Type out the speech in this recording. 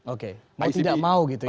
oke mau tidak mau gitu ya